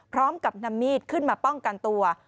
พร้อมกับนำมีดขึ้นมาป้องกันตัว